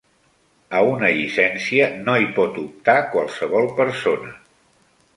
A una llicència no hi pot optar qualsevol persona.